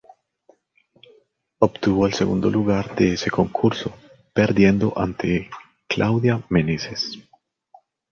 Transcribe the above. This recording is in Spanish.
Obtuvo el segundo lugar de ese concurso, perdiendo ante Claudia Menezes.